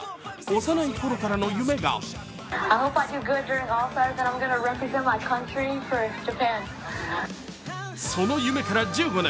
幼いころからの夢がその夢から１５年。